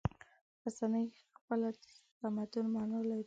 رسنۍ خپله د تمدن معنی لري.